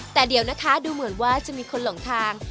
แต่เดี๋ยวนะคะดูเหมือนว่าจะมีคนหลงทาง